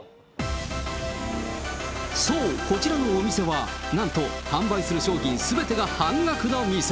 そう、こちらのお店は、なんと、販売する商品すべてが半額の店。